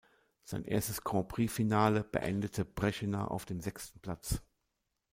Sein erstes Grand-Prix-Finale beendete Březina auf dem sechsten Platz.